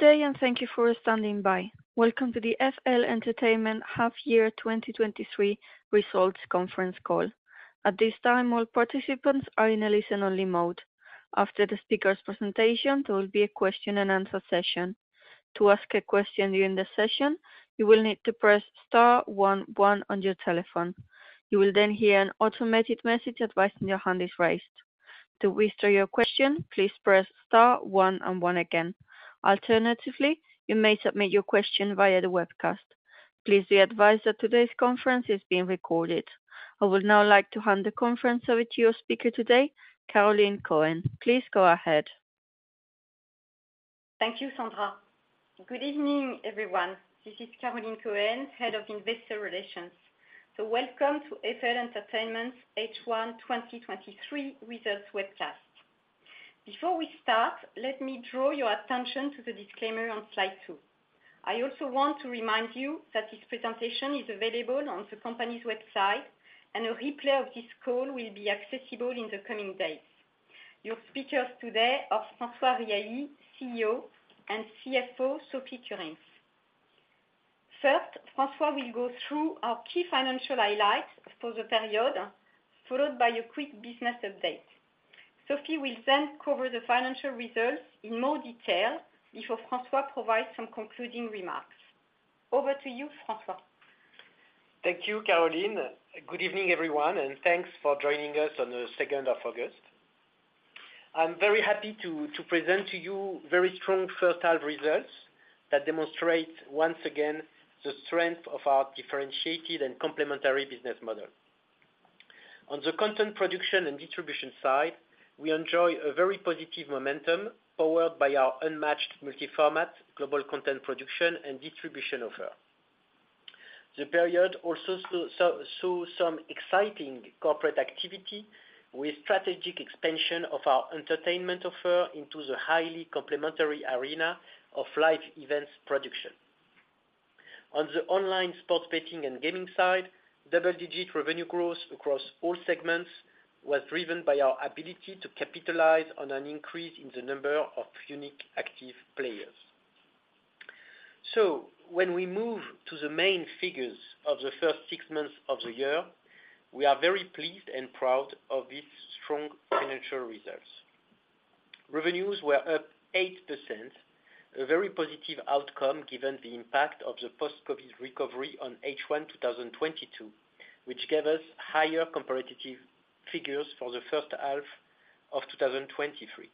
Good day, and thank you for standing by. Welcome to the FL Entertainment Half Year 2023 Results Conference Call. At this time, all participants are in a listen-only mode. After the speaker's presentation, there will be a question-and-answer session. To ask a question during the session, you will need to press star one one on your telephone. You will then hear an automated message advising your hand is raised. To withdraw your question, please press star one and one again. Alternatively, you may submit your question via the webcast. Please be advised that today's conference is being recorded. I would now like to hand the conference over to your speaker today, Caroline Cohen. Please go ahead. Thank you, Sandra. Good evening, everyone. This is Caroline Cohen, Head of Investor Relations. Welcome to FL Entertainment's H1 2023 results webcast. Before we start, let me draw your attention to the disclaimer on slide 2. I also want to remind you that this presentation is available on the company's website, and a replay of this call will be accessible in the coming days. Your speakers today are François Riahi, CEO, and CFO, Sophie Kurinckx. First, François will go through our key financial highlights for the period, followed by a quick business update. Sophie will then cover the financial results in more detail before François provides some concluding remarks. Over to you, François. Thank you, Caroline. Good evening, everyone, and thanks for joining us on the second of August. I'm very happy to present to you very strong first half results that demonstrate once again, the strength of our differentiated and complementary business model. On the content production and distribution side, we enjoy a very positive momentum powered by our unmatched multi-format, global content production and distribution offer. The period also saw some exciting corporate activity with strategic expansion of our entertainment offer into the highly complementary arena of live events production. On the online sports betting and gaming side, double-digit revenue growth across all segments was driven by our ability to capitalize on an increase in the number of unique active players. When we move to the main figures of the first six months of the year, we are very pleased and proud of this strong financial results. Revenues were up 8%, a very positive outcome, given the impact of the post-COVID recovery on H1 2022, which gave us higher comparative figures for the first half of 2023.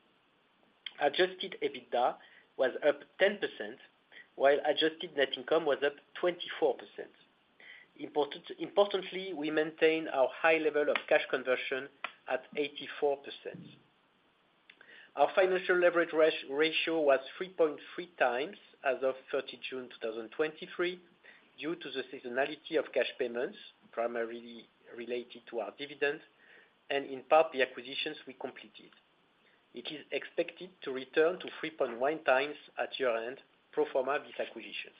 Adjusted EBITDA was up 10%, while adjusted net income was up 24%. Importantly, we maintained our high level of cash conversion at 84%. Our financial leverage ratio was 3.3 times as of 30 June 2023, due to the seasonality of cash payments, primarily related to our dividend, and in part, the acquisitions we completed. It is expected to return to 3.1 times at year-end, pro forma, these acquisitions.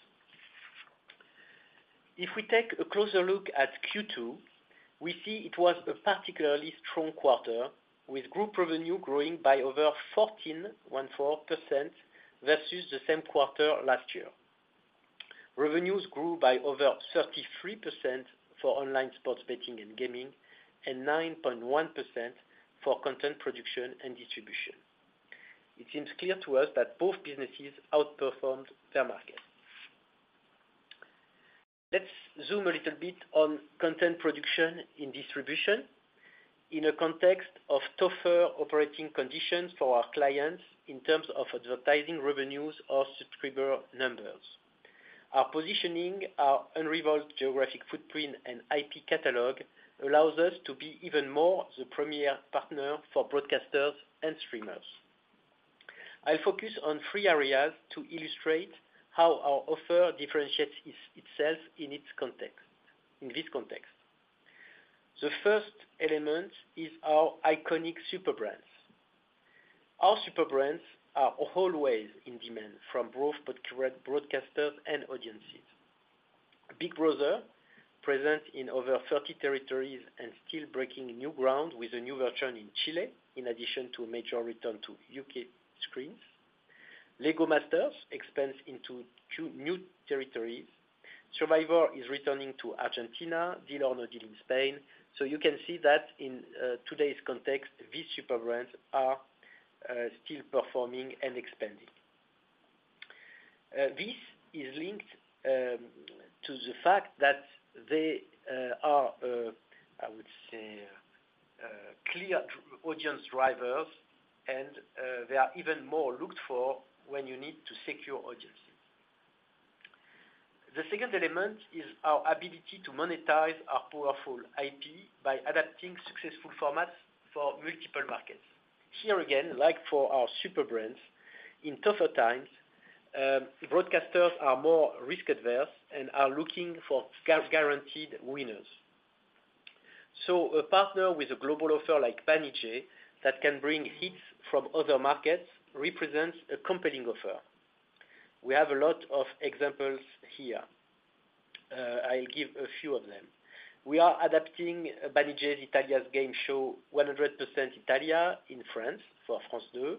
If we take a closer look at Q2, we see it was a particularly strong quarter, with group revenue growing by over 14, one four, % versus the same quarter last year. Revenues grew by over 33% for online sports betting and gaming, and 9.1% for content production and distribution. It seems clear to us that both businesses outperformed their market. Let's zoom a little bit on content production and distribution. In a context of tougher operating conditions for our clients in terms of advertising revenues or subscriber numbers. Our positioning, our unrivaled geographic footprint and IP catalog allows us to be even more the premier partner for broadcasters and streamers. I'll focus on three areas to illustrate how our offer differentiates itself in its context, in this context. The first element is our iconic super brands. Our super brands are always in demand from both broadcasters and audiences. Big Brother, present in over 30 territories and still breaking new ground with a new version in Chile, in addition to a major return to U.K. screens. LEGO Masters expands into two new territories. Survivor is returning to Argentina, Deal or No Deal in Spain. You can see that in today's context, these super brands are still performing and expanding. This is linked to the fact that they are, I would say, clear audience drivers and they are even more looked for when you need to secure audiences. The second element is our ability to monetize our powerful IP by adapting successful formats for multiple markets. Here again, like for our super brands, in tougher times, broadcasters are more risk averse and are looking for guaranteed winners. A partner with a global offer like Banijay, that can bring hits from other markets, represents a compelling offer. We have a lot of examples here. I'll give a few of them. We are adapting Banijay Italia's game show, 100% Italia, in France for France 2.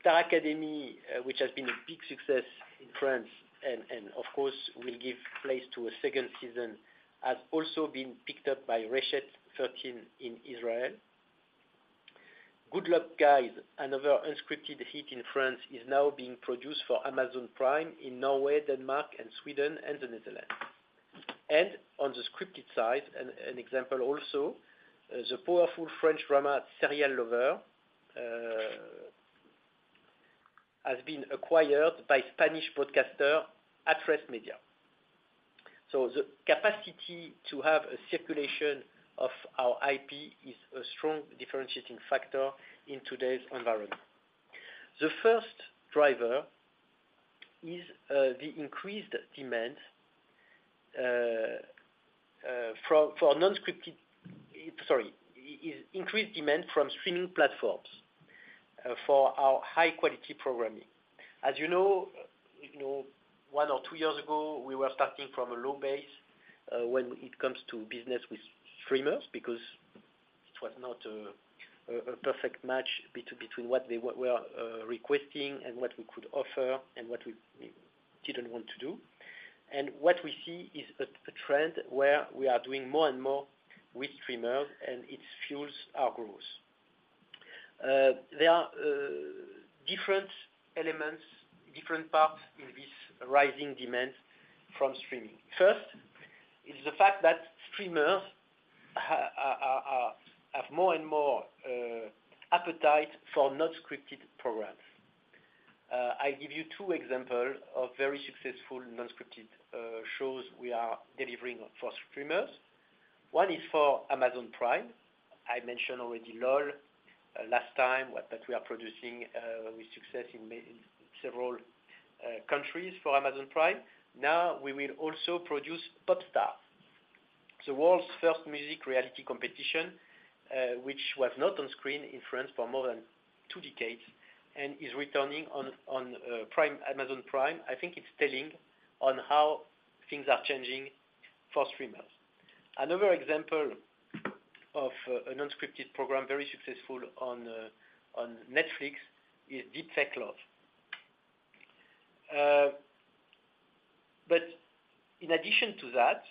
Star Academy, which has been a big success in France, and, and of course, will give place to a second season, has also been picked up by Reshet 13 in Israel. Good Luck Guys, another unscripted hit in France, is now being produced for Amazon Prime in Norway, Denmark, and Sweden, and the Netherlands. On the scripted side, an example also, the powerful French drama, Serial Lover, has been acquired by Spanish broadcaster, Atresmedia. The capacity to have a circulation of our IP is a strong differentiating factor in today's environment. The first driver is the increased demand from streaming platforms for our high quality programming. As you know, you know, one or two years ago, we were starting from a low base, when it comes to business with streamers, because it was not a perfect match between what they were requesting and what we could offer, and what we didn't want to do. What we see is a trend where we are doing more and more with streamers, and it fuels our growth. There are different elements, different parts in this rising demand from streaming. First, is the fact that streamers have more and more appetite for non-scripted programs. I'll give you two example of very successful non-scripted shows we are delivering for streamers. One is for Amazon Prime. I mentioned already LOL, last time, what-- that we are producing, with success in ma- in several, countries for Amazon Prime. Now, we will also produce Popstars, the world's first music reality competition, which was not on screen in France for more than 2 decades and is returning on, on, Prime, Amazon Prime. I think it's telling on how things are changing for streamers. Another example of, a non-scripted program, very successful on, on Netflix, is Deep Fake Love. But in addition to that,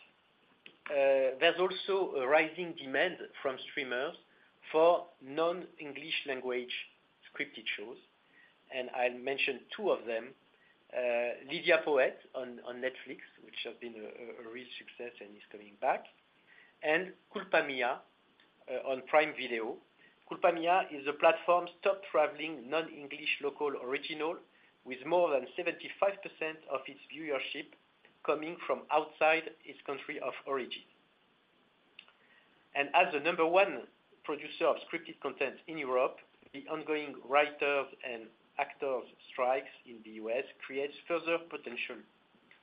there's also a rising demand from streamers for non-English language scripted shows, and I'll mention two of them. Lidia Poët on, on Netflix, which has been a, a, a real success and is coming back. Culpa mía, on Prime Video. Culpa Mía is the platform's top traveling non-English local original, with more than 75% of its viewership coming from outside its country of origin. As the number 1 producer of scripted content in Europe, the ongoing writers and actors strikes in the U.S. creates further potential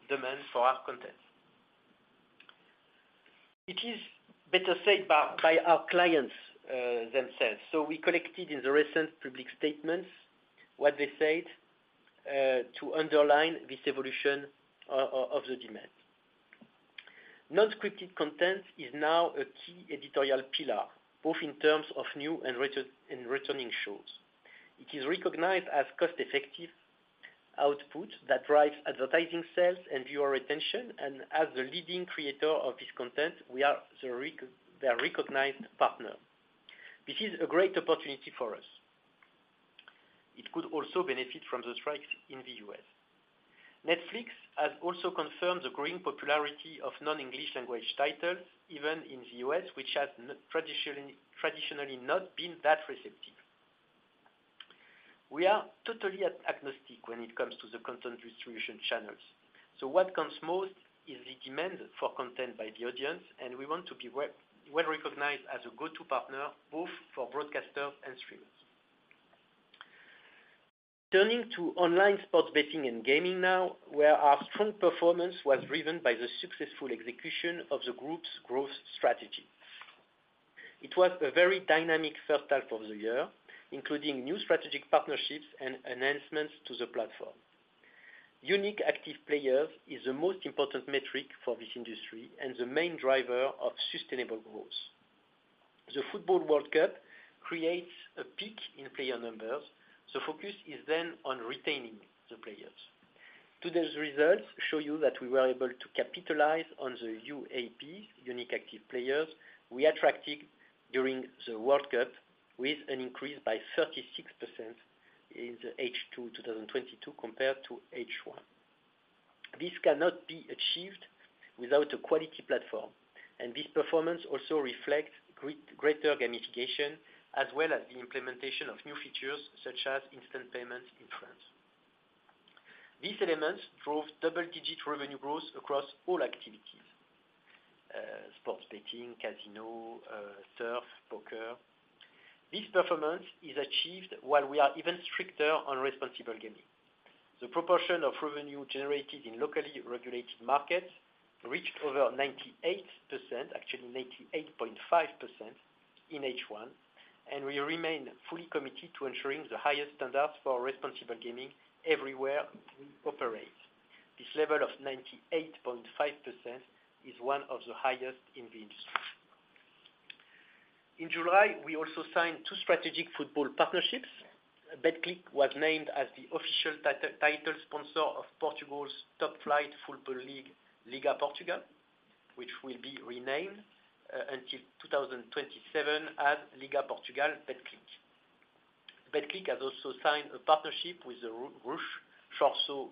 demand for our content. It is better said by our clients themselves. We collected in the recent public statements what they said to underline this evolution of the demand. Non-scripted content is now a key editorial pillar, both in terms of new and returning shows. It is recognized as cost-effective output that drives advertising sales and viewer retention, and as the leading creator of this content, we are the recognized partner. This is a great opportunity for us. It could also benefit from the strikes in the U.S. Netflix has also confirmed the growing popularity of non-English language titles, even in the US, which has not traditionally not been that receptive. We are totally agnostic when it comes to the content distribution channels, so what comes most is the demand for content by the audience, and we want to be well recognized as a go-to partner, both for broadcasters and streamers. Turning to online sports betting and gaming now, where our strong performance was driven by the successful execution of the group's growth strategy. It was a very dynamic first half of the year, including new strategic partnerships and enhancements to the platform. Unique active players is the most important metric for this industry and the main driver of sustainable growth. The football World Cup creates a peak in player numbers, so focus is then on retaining the players. Today's results show you that we were able to capitalize on the UAP, unique active players, we attracted during the World Cup, with an increase by 36% in the H2 2022 compared to H1. This cannot be achieved without a quality platform, and this performance also reflects greater gamification, as well as the implementation of new features, such as instant payments in France. These elements drove double-digit revenue growth across all activities, sports betting, casino, turf, poker. This performance is achieved while we are even stricter on responsible gaming. The proportion of revenue generated in locally regulated markets reached over 98%, actually 98.5% in H1, and we remain fully committed to ensuring the highest standards for responsible gaming everywhere we operate. This level of 98.5% is one of the highest in the industry. In July, we also signed two strategic football partnerships. Betclic was named as the official title, title sponsor of Portugal's top flight football league, Liga Portugal, which will be renamed until 2027 as Liga Portugal Betclic. Betclic has also signed a partnership with the Ruch Chorzów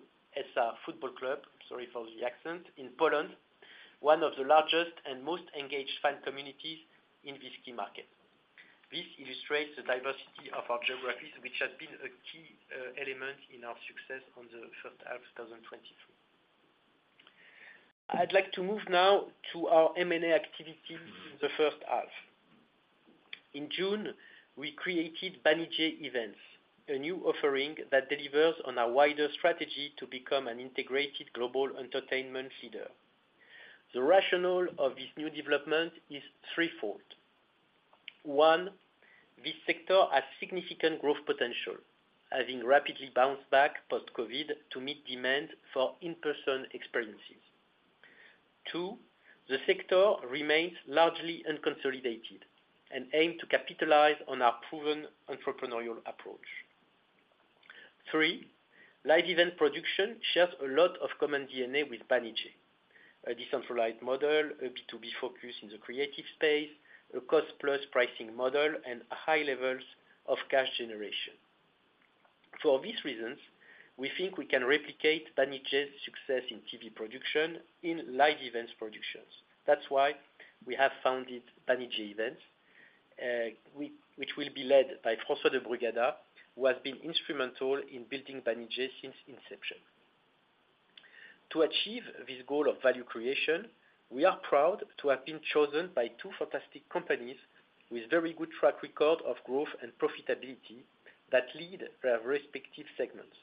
SA Football Club, sorry for the accent, in Poland, one of the largest and most engaged fan communities in this key market. This illustrates the diversity of our geographies, which has been a key element in our success on the first half of 2022. I'd like to move now to our M&A activities in the first half. In June, we created Banijay Events, a new offering that delivers on our wider strategy to become an integrated global entertainment leader. The rationale of this new development is threefold. 1, this sector has significant growth potential, having rapidly bounced back post-COVID to meet demand for in-person experiences. 2, the sector remains largely unconsolidated and aim to capitalize on our proven entrepreneurial approach. 3, live event production shares a lot of common DNA with Banijay, a decentralized model, a B2B focus in the creative space, a cost-plus pricing model, and high levels of cash generation. For these reasons, we think we can replicate Banijay's success in TV production, in live events productions. That's why we have founded Banijay Events, which will be led by François de Brugada, who has been instrumental in building Banijay since inception. To achieve this goal of value creation, we are proud to have been chosen by 2 fantastic companies with very good track record of growth and profitability that lead their respective segments.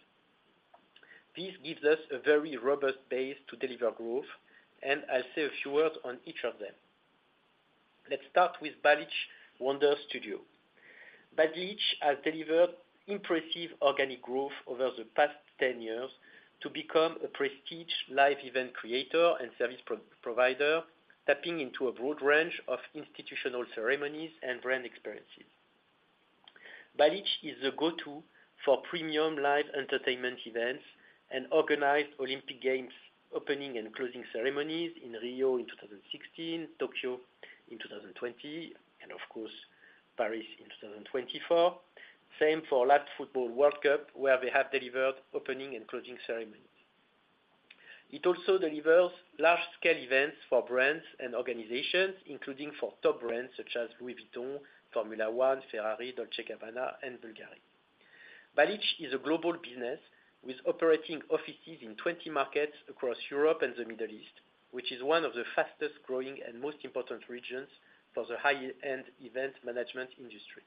This gives us a very robust base to deliver growth, and I'll say a few words on each of them. Let's start with Balich Wonder Studio. Balich has delivered impressive organic growth over the past 10 years to become a prestige live event creator and service provider, tapping into a broad range of institutional ceremonies and brand experiences. Balich is the go-to for premium live entertainment events and organized Olympic Games, opening and closing ceremonies in Rio in 2016, Tokyo in 2020, and of course, Paris in 2024. Same for last football World Cup, where they have delivered opening and closing ceremonies. It also delivers large-scale events for brands and organizations, including for top brands such as Louis Vuitton, Formula One, Ferrari, Dolce & Gabbana, and Bulgari. Balich is a global business with operating offices in 20 markets across Europe and the Middle East, which is one of the fastest growing and most important regions for the high-end event management industry.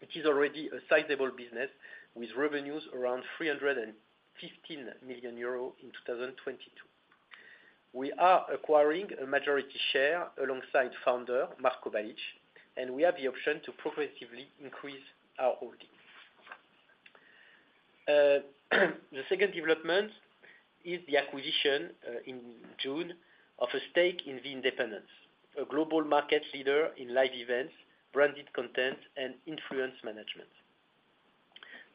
It is already a sizable business with revenues around 315 million euros in 2022. We are acquiring a majority share alongside founder, Marco Balich, and we have the option to progressively increase our holdings. The second development is the acquisition in June of a stake in The Independents, a global market leader in live events, branded content, and influence management.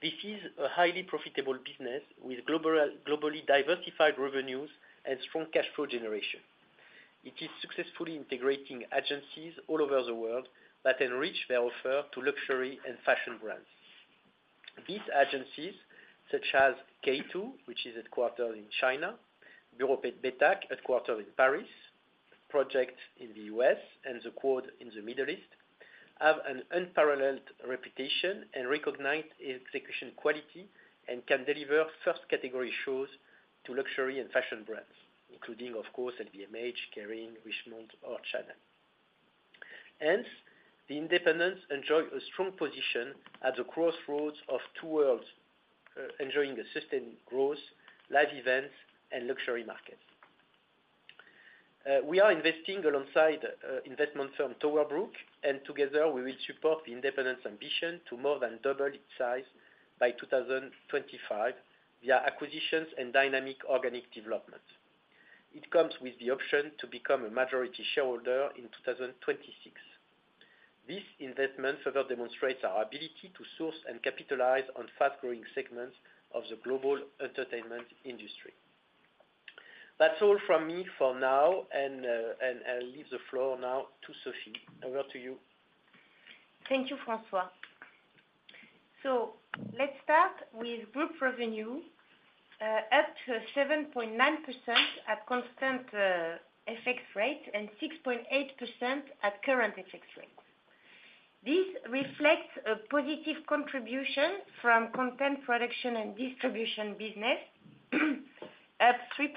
This is a highly profitable business with global, globally diversified revenues and strong cash flow generation. It is successfully integrating agencies all over the world that enrich their offer to luxury and fashion brands. These agencies, such as K2, which is headquartered in China, Bureau Betak, headquartered in Paris, Projects in the US, and The Qode in the Middle East, have an unparalleled reputation and recognized execution quality, and can deliver first category shows to luxury and fashion brands, including, of course, LVMH, Kering, Richemont, or Chanel. Hence, The Independents enjoy a strong position at the crossroads of two worlds, enjoying a sustained growth, live events, and luxury markets. We are investing alongside investment firm TowerBrook, and together we will support The Independents' ambition to more than double its size by 2025 via acquisitions and dynamic organic development. It comes with the option to become a majority shareholder in 2026. This investment further demonstrates our ability to source and capitalize on fast-growing segments of the global entertainment industry. That's all from me for now, and I'll leave the floor now to Sophie. Over to you. Thank you, François. Let's start with group revenue, up to 7.9% at constant FX rate, and 6.8% at current FX rate. This reflects a positive contribution from content production and distribution business, up 3%,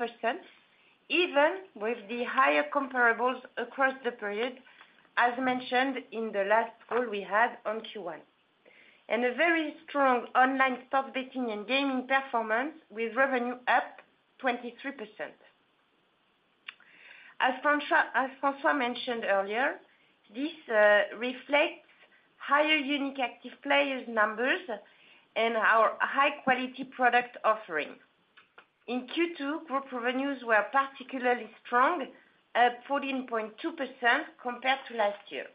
even with the higher comparables across the period, as mentioned in the last call we had on Q1. A very strong online sports betting and gaming performance, with revenue up 23%. As François, as François mentioned earlier, this reflects higher unique active players numbers and our high-quality product offering. In Q2, group revenues were particularly strong, up 14.2% compared to last year.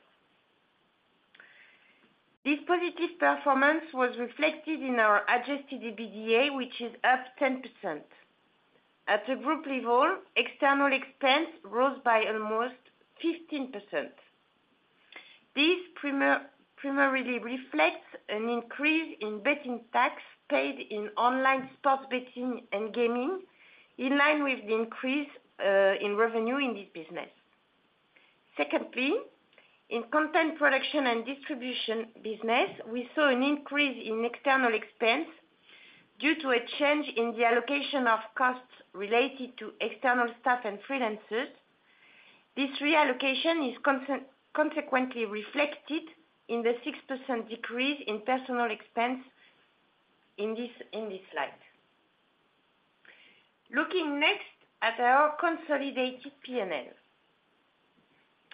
This positive performance was reflected in our adjusted EBITDA, which is up 10%. At a group level, external expense rose by almost 15%. This primarily reflects an increase in betting tax paid in online sports betting and gaming, in line with the increase in revenue in this business. Secondly, in content production and distribution business, we saw an increase in external expense due to a change in the allocation of costs related to external staff and freelancers. This reallocation is consequently reflected in the 6% decrease in personal expense in this slide. Looking next at our consolidated P&L.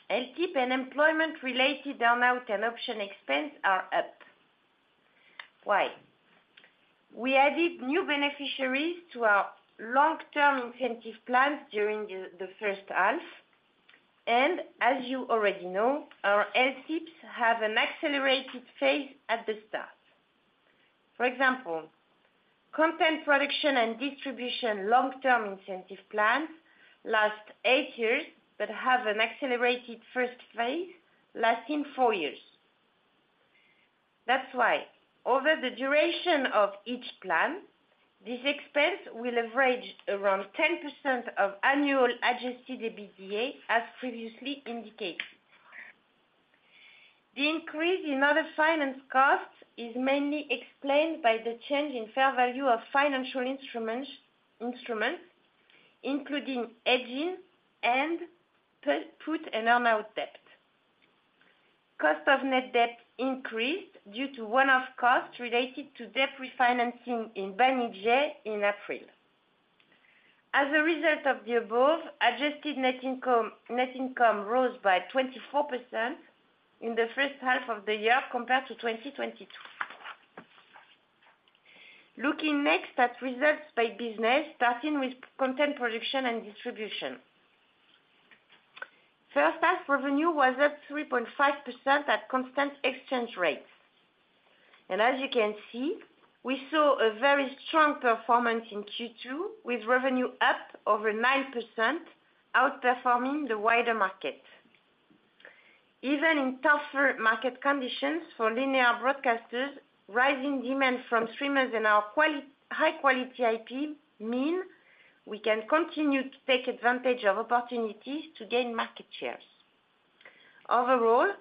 LTIP and employment-related earn-out and option expense are up. Why? We added new beneficiaries to our long-term incentive plans during the first half, and as you already know, our LTIPs have an accelerated phase at the start. For example, content production and distribution long-term incentive plans last eight years, but have an accelerated first phase lasting four years. That's why over the duration of each plan, this expense will average around 10% of annual adjusted EBITDA, as previously indicated. The increase in other finance costs is mainly explained by the change in fair value of financial instruments, instruments, including hedging and put and earn out debt. Cost of net debt increased due to one-off costs related to debt refinancing in Banijay in April. As a result of the above, adjusted net income, net income rose by 24% in the first half of the year compared to 2022. Looking next at results by business, starting with content production and distribution. First half revenue was up 3.5% at constant exchange rates. As you can see, we saw a very strong performance in Q2, with revenue up over 9%, outperforming the wider market. Even in tougher market conditions for linear broadcasters, rising demand from streamers and our high quality IP mean we can continue to take advantage of opportunities to gain market shares. Overall,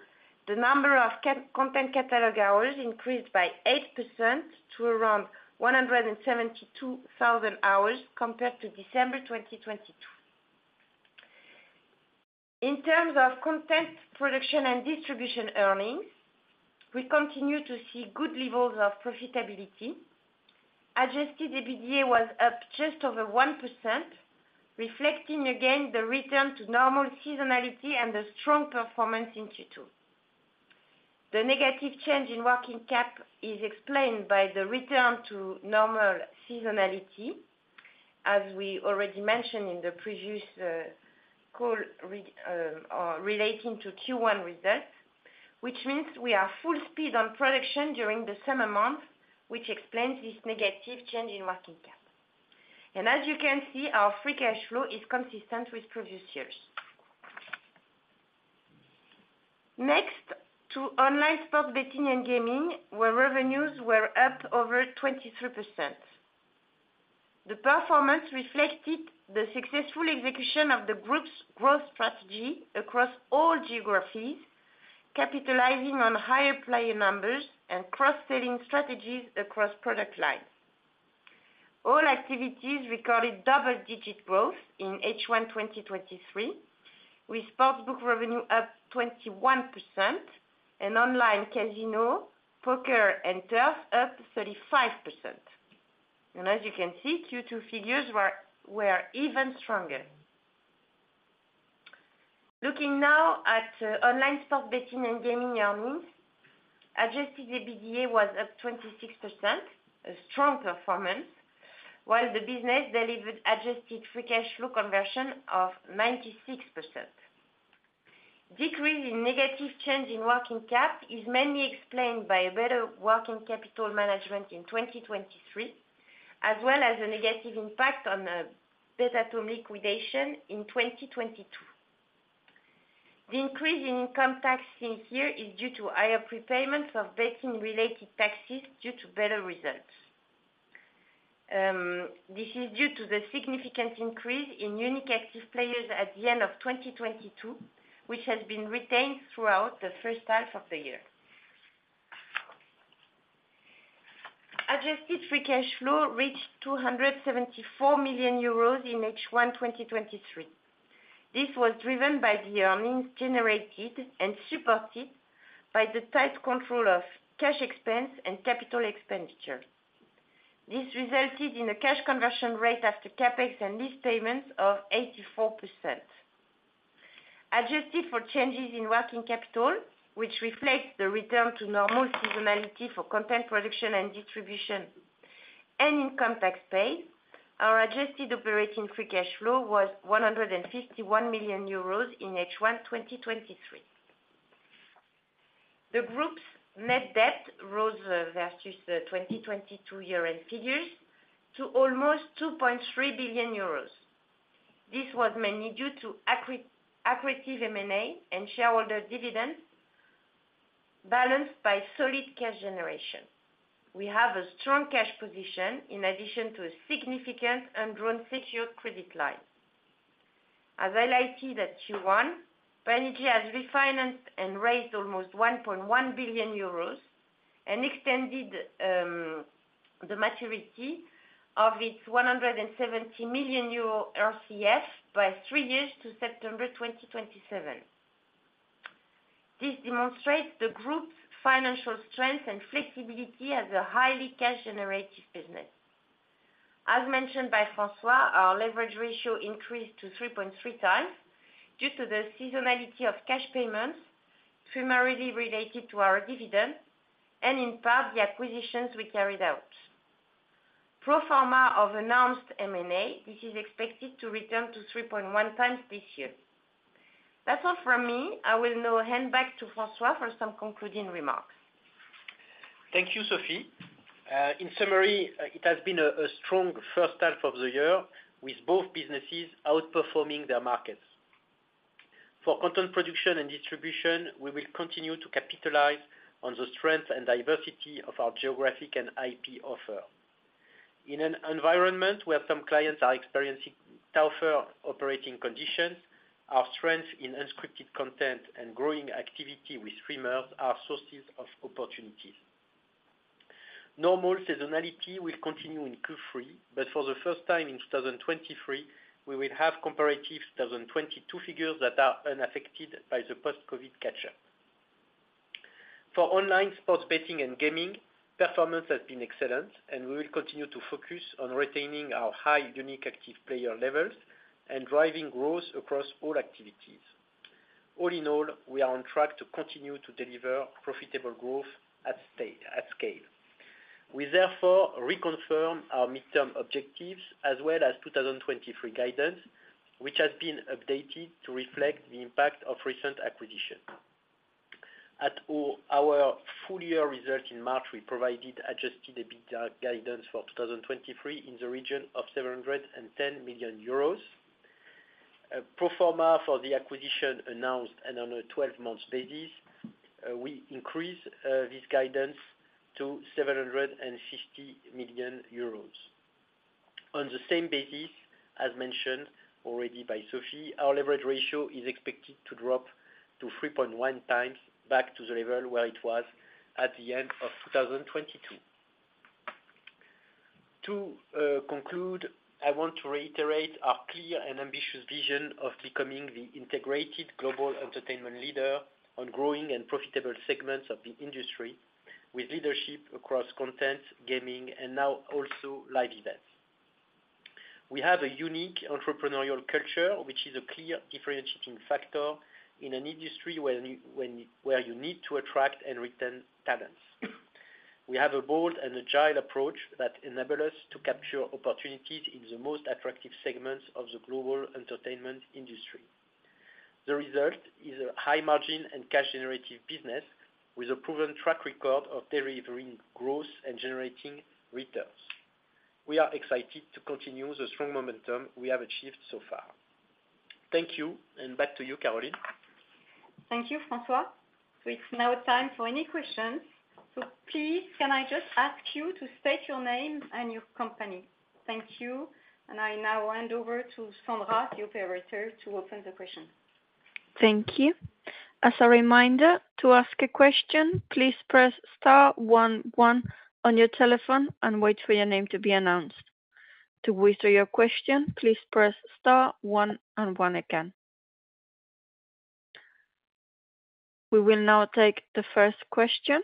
the number of content catalog hours increased by 8% to around 172,000 hours compared to December 2022. In terms of content production and distribution earnings, we continue to see good levels of profitability. Adjusted EBITDA was up just over 1%, reflecting again the return to normal seasonality and the strong performance in Q2. The negative change in working cap is explained by the return to normal seasonality, as we already mentioned in the previous call, or relating to Q1 results, which means we are full speed on production during the summer months, which explains this negative change in working cap. As you can see, our free cash flow is consistent with previous years. Next, to Online Sports Betting and Gaming, where revenues were up over 23%. The performance reflected the successful execution of the group's growth strategy across all geographies, capitalizing on higher player numbers and cross-selling strategies across product lines. All activities recorded double-digit growth in H1 2023, with Sportsbook revenue up 21% and Online Casino, Poker, and Turf up 35%. As you can see, Q2 figures were even stronger. Looking now at Online Sports Betting and Gaming earnings. Adjusted EBITDA was up 26%, a strong performance, while the business delivered adjusted free cash flow conversion of 96%. Decrease in negative change in working cap is mainly explained by a better working capital management in 2023, as well as a negative impact on Betatome liquidation in 2022. The increase in income tax this year is due to higher prepayments of betting-related taxes due to better results. This is due to the significant increase in unique active players at the end of 2022, which has been retained throughout the first half of the year. Adjusted free cash flow reached 274 million euros in H1 2023. This was driven by the earnings generated and supported by the tight control of cash expense and capital expenditure. This resulted in a cash conversion rate after CapEx and lease payments of 84%. Adjusted for changes in working capital, which reflects the return to normal seasonality for content production and distribution and in context pay, our adjusted operating free cash flow was 151 million euros in H1 2023. The group's net debt rose versus the 2022 year-end figures, to almost 2.3 billion euros. This was mainly due to accretive M&A and shareholder dividends balanced by solid cash generation. We have a strong cash position in addition to a significant undrawn secured credit line. As I highlighted at Q1, Banijay has refinanced and raised almost 1.1 billion euros and extended the maturity of its 170 million euro RCF by 3 years to September 2027. This demonstrates the group's financial strength and flexibility as a highly cash generative business. As mentioned by François, our leverage ratio increased to 3.3x due to the seasonality of cash payments, primarily related to our dividend, and in part, the acquisitions we carried out. Pro forma of announced M&A, this is expected to return to 3.1x this year. That's all from me. I will now hand back to François for some concluding remarks. Thank you, Sophie. In summary, it has been a strong first half of the year, with both businesses outperforming their markets. For content production and distribution, we will continue to capitalize on the strength and diversity of our geographic and IP offer. In an environment where some clients are experiencing tougher operating conditions, our strength in unscripted content and growing activity with streamers are sources of opportunities. Normal seasonality will continue in Q3, for the first time in 2023, we will have comparative 2022 figures that are unaffected by the post-COVID catch-up. For online sports betting and gaming, performance has been excellent, and we will continue to focus on retaining our high, unique, active player levels and driving growth across all activities. All in all, we are on track to continue to deliver profitable growth at scale. We therefore reconfirm our midterm objectives as well as 2023 guidance, which has been updated to reflect the impact of recent acquisitions. At all our full year results in March, we provided adjusted EBITDA guidance for 2023 in the region of 710 million euros. Pro forma for the acquisition announced and on a 12-months basis, we increase this guidance to 750 million euros. On the same basis, as mentioned already by Sophie, our leverage ratio is expected to drop to 3.1 times back to the level where it was at the end of 2022. To conclude, I want to reiterate our clear and ambitious vision of becoming the integrated global entertainment leader on growing and profitable segments of the industry, with leadership across content, gaming, and now also live events. We have a unique entrepreneurial culture, which is a clear differentiating factor in an industry where you need to attract and retain talents. We have a bold and agile approach that enable us to capture opportunities in the most attractive segments of the global entertainment industry. The result is a high margin and cash generative business, with a proven track record of delivering growth and generating returns. We are excited to continue the strong momentum we have achieved so far. Thank you, and back to you, Caroline. Thank you, François. It's now time for any questions. Please, can I just ask you to state your name and your company? Thank you. I now hand over to Sandra, the operator, to open the questions. Thank you. As a reminder, to ask a question, please press star one one on your telephone and wait for your name to be announced. To withdraw your question, please press star one and one again. We will now take the first question.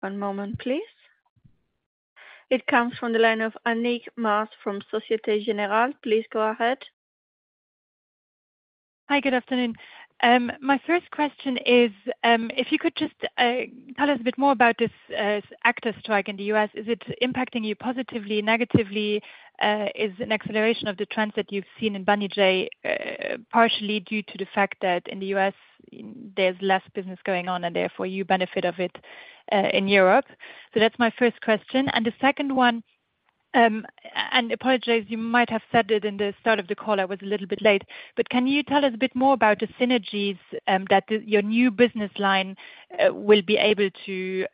One moment, please. It comes from the line of Annick Maas from Société Générale. Please go ahead. Hi, good afternoon. My first question is, if you could just tell us a bit more about this actors' strike in the U.S. Is it impacting you positively, negatively? Is an acceleration of the trends that you've seen in Banijay, partially due to the fact that in the U.S. there's less business going on and therefore you benefit of it in Europe? That's my first question. The second one, and apologize, you might have said it in the start of the call, I was a little bit late, but can you tell us a bit more about the synergies that your new business line will be able to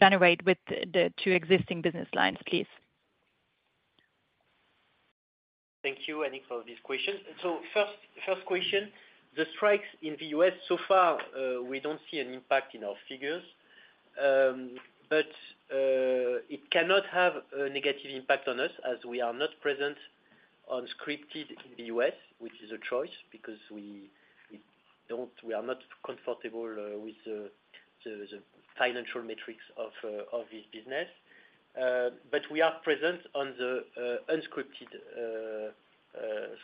generate with the two existing business lines, please? Thank you, Annick, for this question. First, first question, the strikes in the U.S. so far, we don't see an impact in our figures. It cannot have a negative impact on us, as we are not present on scripted in the U.S., which is a choice, because we are not comfortable with the financial metrics of this business. We are present on the unscripted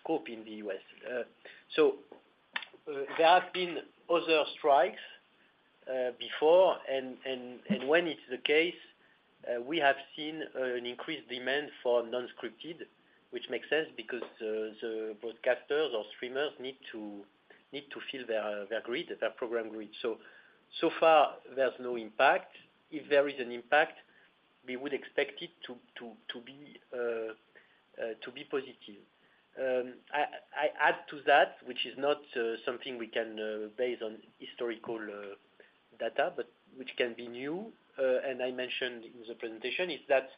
scope in the U.S. There have been other strikes before, and when it's the case, we have seen an increased demand for non-scripted. Which makes sense because the broadcasters or streamers need to fill their grid, their program grid. So far there's no impact. If there is an impact, we would expect it to, to, to be positive. I, I add to that, which is not something we can base on historical data, but which can be new. I mentioned in the presentation, is that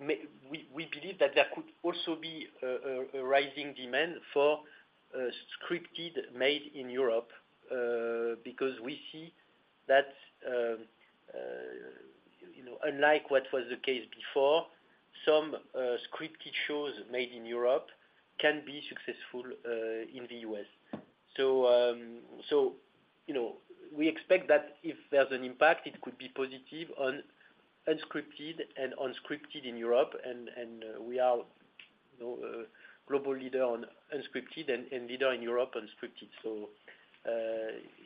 we, we believe that there could also be a rising demand for scripted made in Europe. Because we see that, you know, unlike what was the case before, some scripted shows made in Europe can be successful in the US. You know, we expect that if there's an impact, it could be positive on unscripted and on scripted in Europe. We are, you know, a global leader on unscripted and leader in Europe on scripted.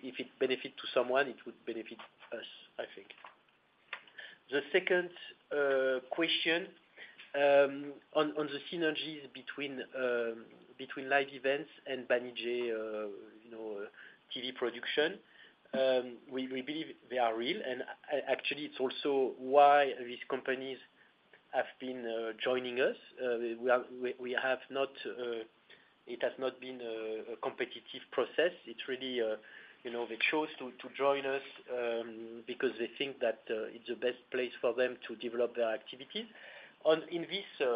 If it benefit to someone, it would benefit us, I think. The second question, on, on the synergies between, between live events and Banijay, you know, TV production. We, we believe they are real, and actually, it's also why these companies have been joining us. We are, we, we have not. It has not been a competitive process. It's really, you know, they chose to, to join us, because they think that, it's the best place for them to develop their activities. On, in this,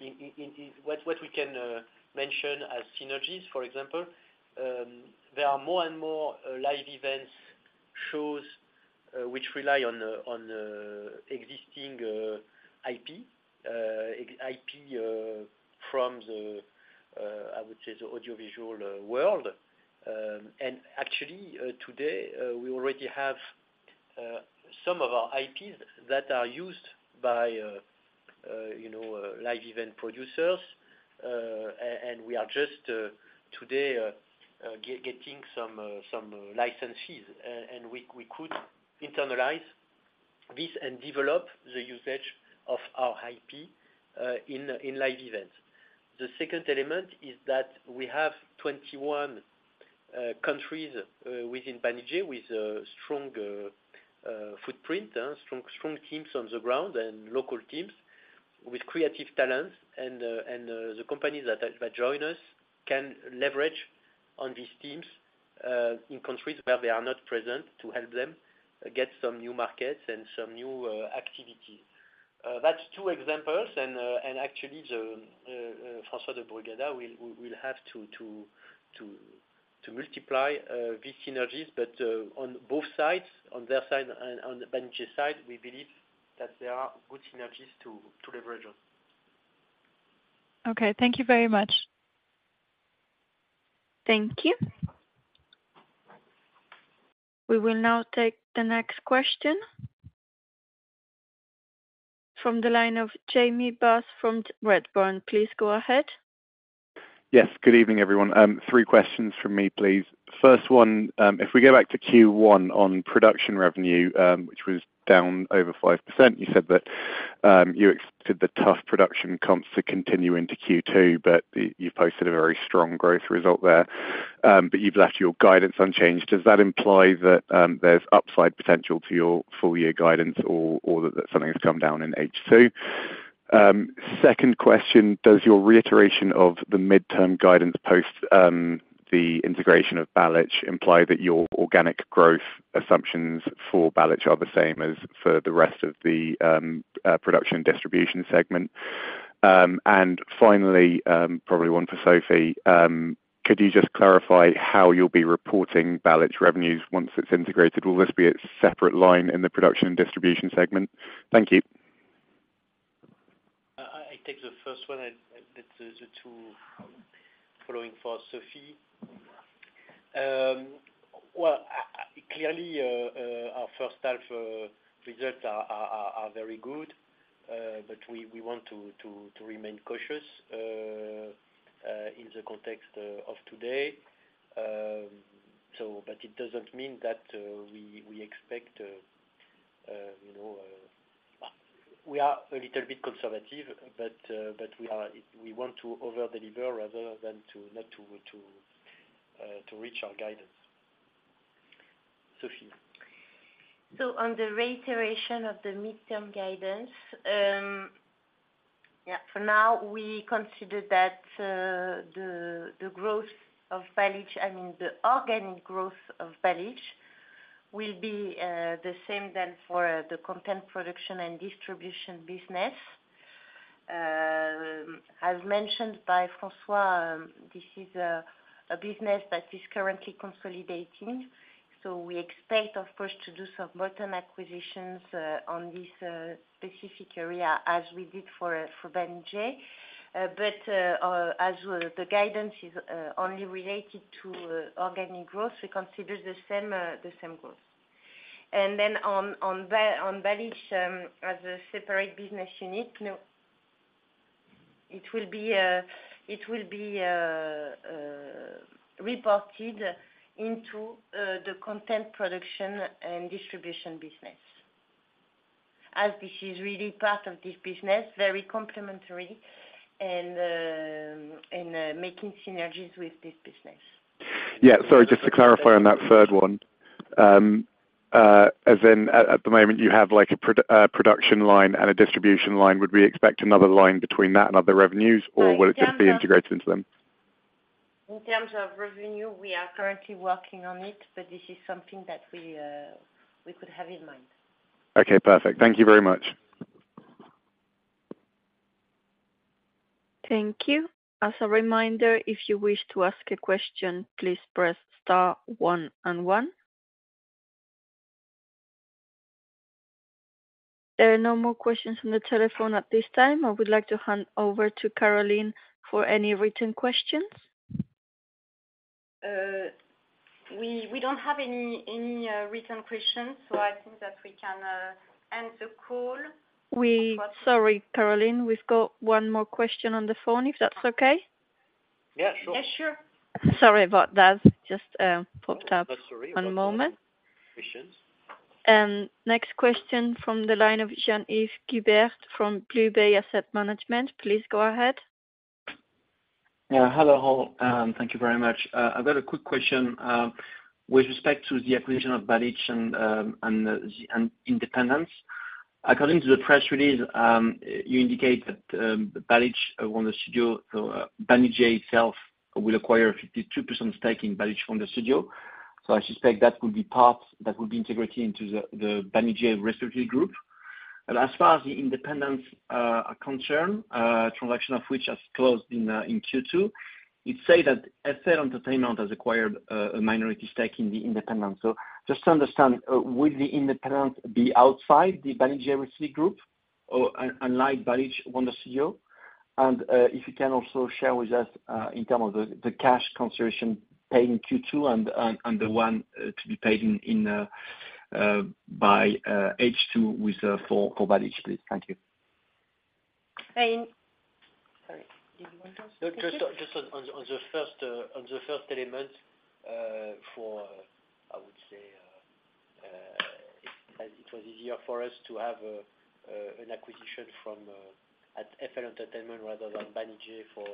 in, in, in what, what we can mention as synergies, for example, there are more and more, live events, shows, which rely on, on, existing, IP. IP, from the, I would say, the audiovisual, world. Actually, today, we already have some of our IPs that are used by, you know, live event producers. We are just today getting some licenses, and we could internalize this and develop the usage of our IP in live events. The second element is that we have 21 countries within Banijay, with a strong footprint, strong, strong teams on the ground, and local teams with creative talents. The companies that are, that join us can leverage on these teams in countries where they are not present, to help them get some new markets and some new activity. That's two examples, and actually the François de Brugada will, will, will have to, to, to, to multiply these synergies. On both sides, on their side and on the Banijay side, we believe that there are good synergies to, to leverage on. Okay, thank you very much. Thank you. We will now take the next question. From the line of Jamie Bath from Redburn, please go ahead. Yes, good evening, everyone. 3 questions from me, please. First one, if we go back to Q1 on production revenue, which was down over 5%, you said that you expected the tough production comps to continue into Q2, but you've posted a very strong growth result there. You've left your guidance unchanged. Does that imply that there's upside potential to your full year guidance, or that something has come down in H2? Second question, does your reiteration of the midterm guidance post the integration of Balich, imply that your organic growth assumptions for Balich are the same as for the rest of the production and distribution segment? Finally, probably one for Sophie. Could you just clarify how you'll be reporting Balich revenues once it's integrated? Will this be a separate line in the production and distribution segment? Thank you. I, I take the first one, and the two following for Sophie. Well, clearly, our first half results are very good. We want to remain cautious in the context of today. It doesn't mean that we expect, you know. We are a little bit conservative, but we want to over-deliver rather than to not to reach our guidance. Sophie? On the reiteration of the midterm guidance, yeah, for now, we consider that the growth of Balich, I mean, the organic growth of Balich, will be the same than for the content production and distribution business. As mentioned by François, this is a business that is currently consolidating, so we expect, of course, to do some bottom acquisitions on this specific area, as we did for Banijay. But as well, the guidance is only related to organic growth. We consider the same the same growth. On Balich, as a separate business unit, no, it will be, it will be, reported into, the content production and distribution business, as this is really part of this business, very complementary, and, making synergies with this business. Yeah. Sorry, just to clarify on that third one. As in at, at the moment, you have, like, a production line and a distribution line, would we expect another line between that and other revenues, or? In terms of- Will it just be integrated into them? In terms of revenue, we are currently working on it, but this is something that we, we could have in mind. Okay, perfect. Thank you very much. Thank you. As a reminder, if you wish to ask a question, please press star one and one. There are no more questions on the telephone at this time. I would like to hand over to Caroline for any written questions. We, we don't have any, any written questions, so I think that we can end the call. Sorry, Caroline, we've got one more question on the phone, if that's okay? Yeah, sure. Yeah, sure. Sorry about that. Just, popped up. Sorry about that. One moment. Questions. Next question from the line of Jean-Yves Guerber from Blue Bay Asset Management. Please go ahead. Hello, all, thank you very much. I've got a quick question with respect to the acquisition of Balich and The Independents. According to the press release, you indicate that the Balich Wonder Studio, Banijay itself will acquire a 52% stake in Balich Wonder Studio. I suspect that will be part that will be integrated into the Banijay restricted group. As far as The Independents are concerned, transaction of which has closed in Q2, it say that FL Entertainment has acquired a minority stake in The Independents. Just to understand, will The Independents be outside the Banijay group or unlike Balich Wonder Studio? If you can also share with us, in term of the, the cash consideration paid in Q2 and the one to be paid in, in, by H2 with for, for Balich, please. Thank you. Sorry, did you want to- No, on the first element, for, I would say, it was easier for us to have an acquisition from at FL Entertainment rather than Banijay for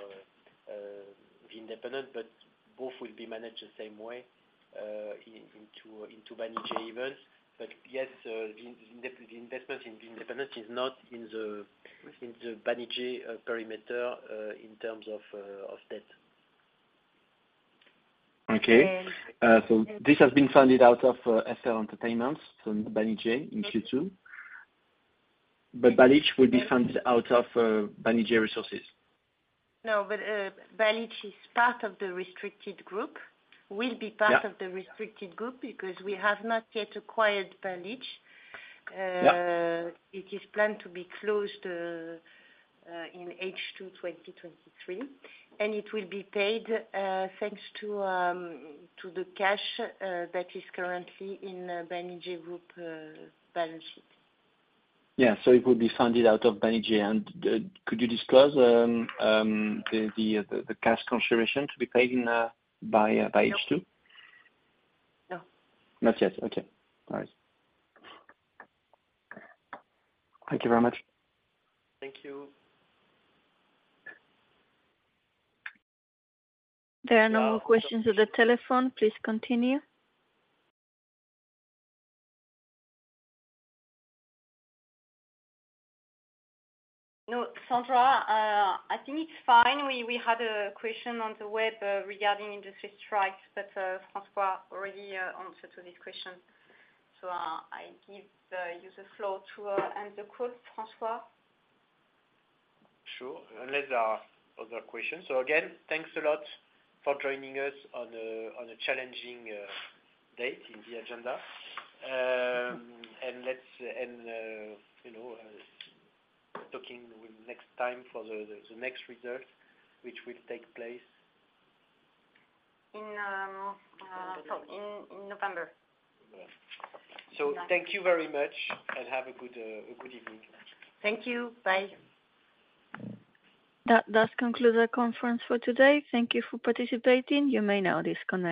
The Independents. Both will be managed the same way into Banijay worlds. Yes, the investment in The Independents is not in the Banijay perimeter in terms of debt. Okay. And- This has been funded out of FL Entertainment from Banijay in Q2. Yes. Balich will be funded out of Banijay resources? No, Balich is part of the restricted group, will be part-. Yeah of the restricted group, because we have not yet acquired Balich. Yeah. It is planned to be closed in H2 2023, and it will be paid thanks to the cash that is currently in Banijay Group balance sheet. So it will be funded out of Banijay. Could you disclose the cash consideration to be paid in by H2? No. Not yet. Okay, all right. Thank you very much. Thank you. There are no more questions on the telephone. Please continue. No, Sandra, I think it's fine. We, we had a question on the web regarding industry strikes, but François already answered to this question. I give the use of floor to end the call, François? Sure. Unless there are other questions. Again, thanks a lot for joining us on a, on a challenging date in the agenda. you know, talking next time for the, the next result, which will take place? In, so in November. Yeah. Yeah. Thank you very much and have a good, a good evening. Thank you. Bye. That does conclude our conference for today. Thank You for participating. You may now disconnect.